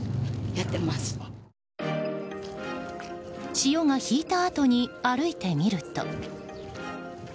潮が引いたあとに歩いてみると。